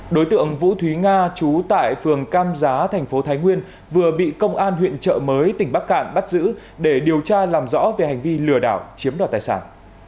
đối tượng vũ thúy nga trú tại phường cam giá thành phố thái nguyên vừa bị công an huyện trợ mới tỉnh bắc cạn bắt giữ để điều tra làm rõ về hành vi lừa đảo chiếm đoạt tài sản